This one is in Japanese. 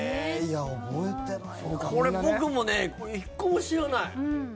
僕もね、１個も知らない。